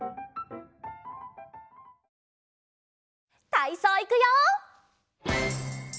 たいそういくよ！